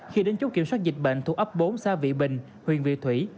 khi đến chỗ kiểm soát dịch bệnh thuộc ấp bốn xa vị bình huyện vị thụy